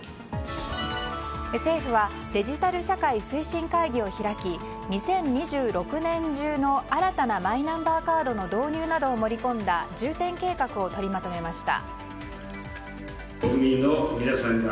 政府はデジタル社会推進会議を開き２０２６年中の新たなマイナンバーカードの導入などを盛り込んだ重点計画を取りまとめました。